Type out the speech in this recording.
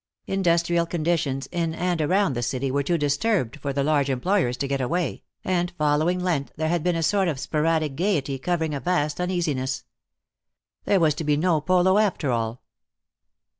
Industrial conditions in and around the city were too disturbed for the large employers to get away, and following Lent there had been a sort of sporadic gayety, covering a vast uneasiness. There was to be no polo after all.